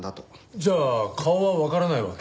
じゃあ顔はわからないわけ？